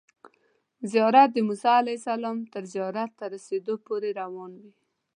زیارت د موسی علیه السلام تر زیارت ته رسیدو پورې روان وي.